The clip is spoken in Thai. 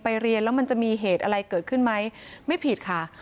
เรียนแล้วมันจะมีเหตุอะไรเกิดขึ้นไหมไม่ผิดค่ะ